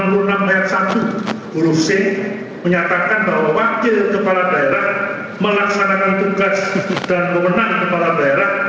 rusek menyatakan bahwa wakil kepala daerah melaksanakan tugas dan kewenang kepala daerah